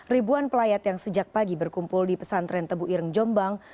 ribuan pelayat yang sejak pagi berkumpul di pesantren tebu ireng jombang